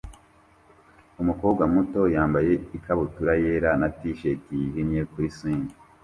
Umukobwa muto yambaye ikabutura yera na t-shirt yijimye kuri swing